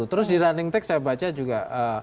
terus di running tech saya baca juga